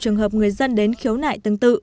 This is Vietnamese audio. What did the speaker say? trường hợp người dân đến khiếu nại tương tự